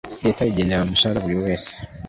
leta igenera umushara buri wese